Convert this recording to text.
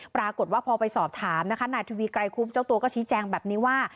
ปรากฏว่าพอไปสอบถามนะคะนายทวีไกรคุบเจ้าตัวก็ชี้แจงแบบนี้ว่า